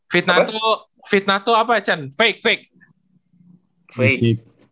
fitnah itu fitnah itu apa chen fake fake